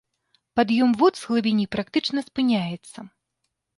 Пад'ём вод з глыбіні практычна спыняецца.